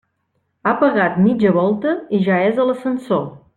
Ha pegat mitja volta i ja és a l'ascensor.